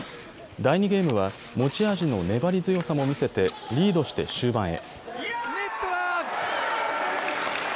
第２ゲームは持ち味の粘り強さも見せてリードして終盤へ。